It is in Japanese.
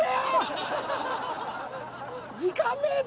時間ねえぞ